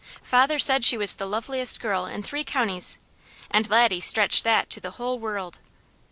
Father said she was the loveliest girl in three counties, and Laddie stretched that to the whole world.